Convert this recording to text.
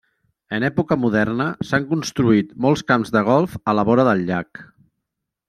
En època moderna, s'han construït molts camps de golf a la vora del llac.